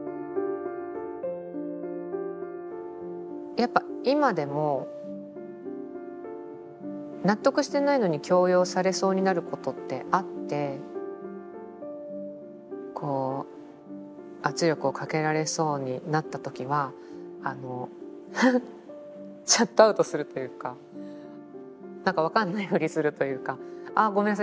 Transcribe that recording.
やっぱ今でも納得してないのに強要されそうになることってあってこう圧力をかけられそうになった時はシャットアウトするというかなんか分かんないふりするというか「ああごめんなさい。